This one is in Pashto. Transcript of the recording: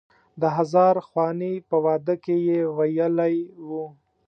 د هزار خوانې په واده کې یې ویلی و.